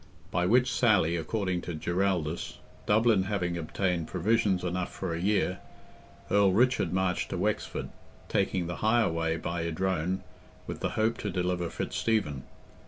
By which sally, according to Giraldus, Dublin having obtained provisions enough for a year, Earl Richard marched to Wexford, "taking the higher way by Idrone," with the hope to deliver Fitzstephen.